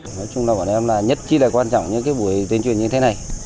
nói chung là nhất chi là quan trọng những cái buổi tuyên truyền như thế này